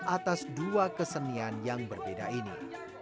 atas dua kesenian yang berbeda ini